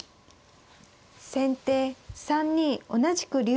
先手３二同じく竜。